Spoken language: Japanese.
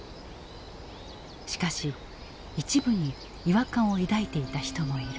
しかし一部に違和感を抱いていた人もいる。